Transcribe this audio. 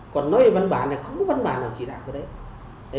còn nói về văn bản thì không có văn bản nào chỉ đảm của đấy